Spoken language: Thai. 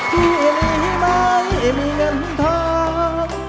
ช่วยหนีไหมมีเงินทอง